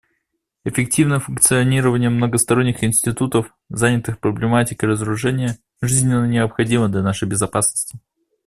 Эффективное функционирование многосторонних институтов, занятых проблематикой разоружения, жизненно необходимо для нашей безопасности.